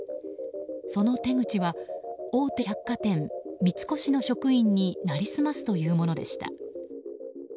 その手口は大手百貨店、三越の職員に成り済ますというものでした。